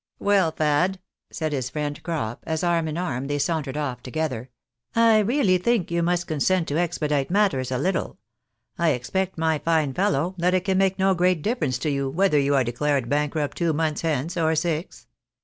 " AV^ell, Fad," said his friend Crop, as arm in arm they saun tered oS" together, " I really think you must consent to expedite matters a little. I expect, my fine fellow, that it can make no great difference to you whether you are declared bankrupt two months hence or six